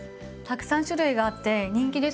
たくさん種類があって人気ですよね。